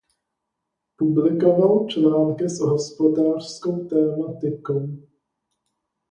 Publikoval články s hospodářskou tematikou.